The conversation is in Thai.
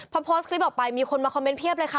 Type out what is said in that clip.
พอโพสต์คลิปออกไปมีคนมาคอมเมนต์เพียบเลยค่ะ